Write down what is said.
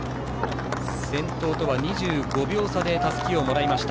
先頭とは２５秒差でたすきをもらいました。